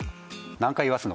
何回言わすの？